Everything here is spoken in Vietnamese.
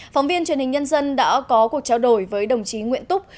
phóng viên truyền hình nhân dân đã có cuộc trao đổi với đồng chí nguyễn túc